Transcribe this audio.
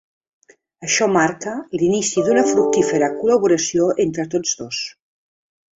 Això marca l’inici d’una fructífera col·laboració entre tots dos.